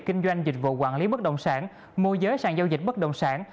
kinh doanh dịch vụ quản lý bất động sản mua giới sản giao dịch bất động sản